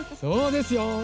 そうですよ。